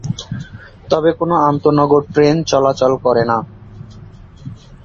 তবে কোন আন্তঃনগর ট্রেন চলাচল করে না।